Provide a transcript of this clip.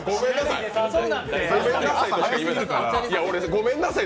ごめんなさい。